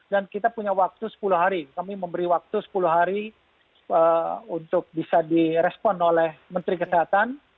dan kita punya waktu sepuluh hari kami memberi waktu sepuluh hari untuk bisa direspon oleh menteri kesehatan